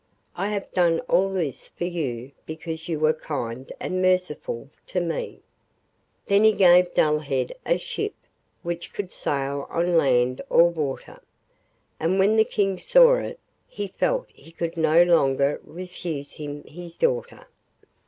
I have done all this for you because you were kind and merciful to me.' Then he gave Dullhead a ship which could sail on land or water, and when the King saw it he felt he could no longer refuse him his daughter.